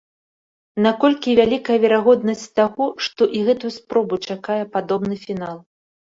Наколькі вялікая верагоднасць таго, што і гэтую спробу чакае падобны фінал?